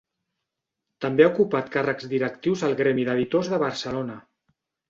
També ha ocupat càrrecs directius al Gremi d'Editors de Barcelona.